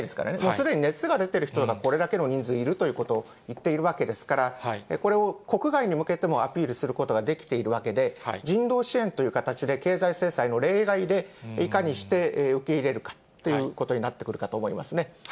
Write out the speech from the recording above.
すでに熱が出ている人がこれだけの人数いるということを言っているわけですから、これを国外に向けてもアピールすることができているわけで、人道支援という形で経済制裁の例外でいかにして受け入れるかっていうことになってくるかと思いますね。